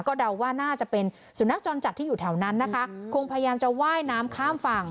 เดาว่าน่าจะเป็นสุนัขจรจัดที่อยู่แถวนั้นนะคะคงพยายามจะว่ายน้ำข้ามฝั่ง